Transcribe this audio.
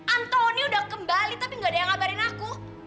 antoni udah kembali tapi gak ada yang ngabarin aku